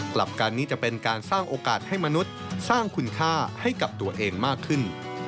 กลับกันนี้จะเป็นการสร้างโอกาสให้มนุษย์สร้างคุณค่าให้กับตัวเองมากขึ้น